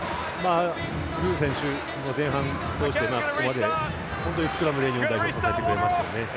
具選手は前半ここまで本当にスクラムで日本代表を支えてくれましたよね。